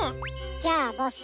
じゃあボス。